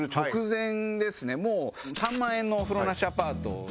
３万円の風呂なしアパートで。